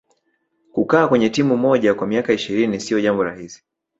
kukaa kwenye timu moja kwa miaka ishirini siyo jambo rahisi